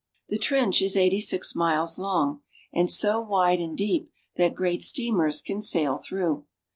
The trench is eighty six miles long, and so wide and deep that great steamers can sail through.